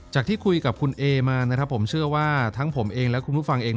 ที่คุยกับคุณเอมานะครับผมเชื่อว่าทั้งผมเองและคุณผู้ฟังเอง